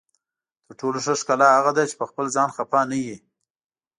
تر ټولو ښه ښکلا هغه ده چې پخپل ځان خفه نه وي.